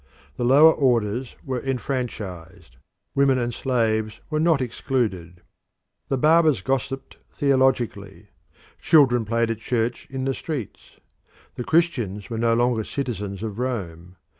The lower orders were enfranchised; women and slaves were not excluded. The barbers gossiped theologically. Children played at church in the streets. The Christians were no longer citizens of Rome.